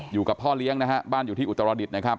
อยู่กับพ่อเลี้ยงนะฮะบ้านอยู่ที่อุตรดิษฐ์นะครับ